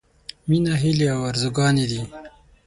— مينه هيلې او ارزوګانې دي.